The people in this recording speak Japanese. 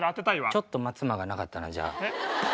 ちょっと待つ間がなかったなじゃあ。